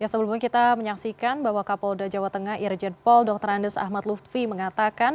sebelumnya kita menyaksikan bahwa kapolda jawa tengah irjen pol dr andes ahmad lutfi mengatakan